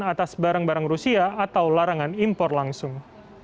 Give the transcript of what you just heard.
atas barang barang rusia atau larangan impor langsung